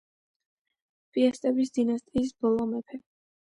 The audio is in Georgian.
პიასტების დინასტიის ბოლო მეფე.